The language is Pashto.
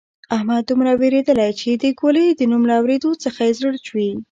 احمد دومره وېرېدلۍ چې د ګولۍ د نوم له اورېدو څخه یې زړه چوي.